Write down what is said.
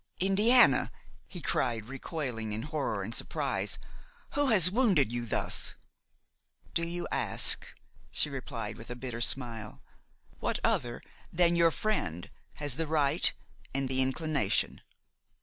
"Indiana!" he cried, recoiling in horror and surprise; "who has wounded you thus?" "Do you ask?" she replied with a bitter smile; "what other than your friend has the right and the inclination?"